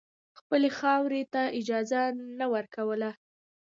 خپلې خاورې ته اجازه نه ورکوله.